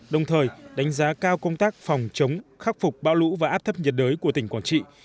đồng thời đánh giá cao công tác phòng chống khắc phục bão lũ và áp thấp nhiệt đới của tỉnh quảng trị